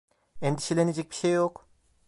Endişelenecek bir şey yok.